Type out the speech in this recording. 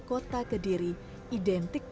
kota kediri identik